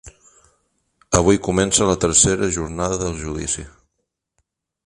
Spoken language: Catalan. Avui comença la tercera jornada del judici.